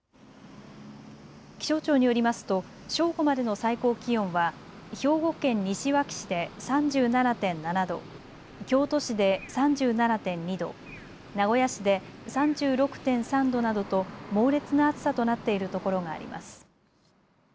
気象庁によりますと正午までの最高気温は兵庫県西脇市で３７．７度、京都市で３７．２度、名古屋市で３６．３度などと猛烈な暑さとなっているところがあります。